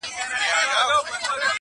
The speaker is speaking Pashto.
شرنګ د زولنو به دي غوږو ته رسېدلی وي!.